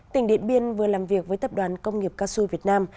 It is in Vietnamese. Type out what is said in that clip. tỉnh điện biên vừa làm việc với tập đoàn công nghiệp cao su việt nam